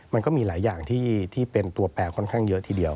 มันก็มีหลายอย่างที่เป็นตัวแปลค่อนข้างเยอะทีเดียว